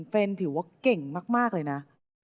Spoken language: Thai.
เฟรนถือว่าเก่งมากเลยนะ